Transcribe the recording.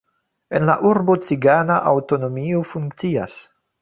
En la urbo cigana aŭtonomio funkcias.